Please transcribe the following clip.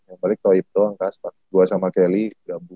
yang balik toi doang kaspar gua sama kelly gabut